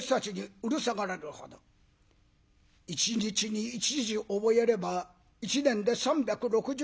一日に１字覚えれば一年で３６５字。